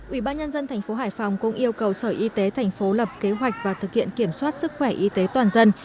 ubnd tp hải phòng cũng yêu cầu sở y tế tp lập kế hoạch và thực hiện kiểm soát sức khỏe y tế toàn dân